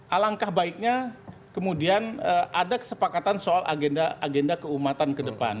alangkah baiknya kemudian ada kesepakatan soal agenda agenda keumatan ke depan